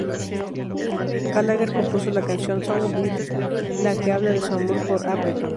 Gallagher compuso la canción "Songbird", la que habla de su amor por Appleton.